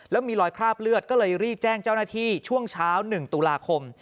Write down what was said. แล้วมีรอยคราบเลือดก็เลยรีบแจ้งเจ้าหน้าที่ช่วงเช้า๑ตุลาคม